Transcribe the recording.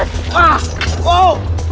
aduh apaan ini